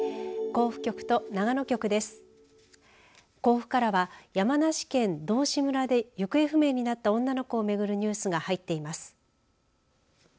甲府からは山梨県道志村で行方不明になった女の子をめぐるニュースが入っています。